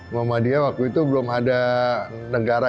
muhammadiyah waktu itu belum ada negara